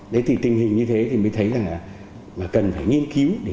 để đáp ứng tình hình thực tế hiện nay và sự phát triển của xã hội